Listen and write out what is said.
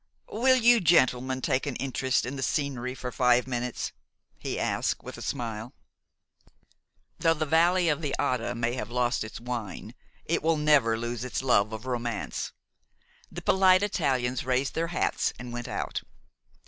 "Will you gentlemen take an interest in the scenery for five minutes?" he asked, with a smile. Though the valley of the Adda may have lost its wine, it will never lose its love of romance. The polite Italians raised their hats and went out.